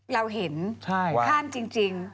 เราเห็นข้ามจริง